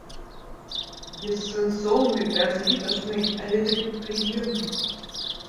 Бессэнсоўны, бязлітасны, але такі прыемны!